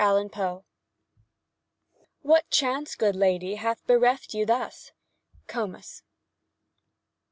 A PREDICAMENT What chance, good lady, hath bereft you thus?—COMUS.